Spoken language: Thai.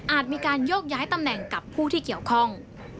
มีการโยกย้ายตำแหน่งกับผู้ที่เกี่ยวข้อง